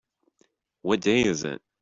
What day is it?